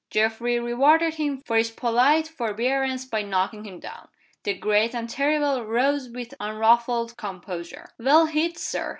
Geoffrey rewarded him for his polite forbearance by knocking him down. The great and terrible rose with unruffled composure. "Well hit, Sir!"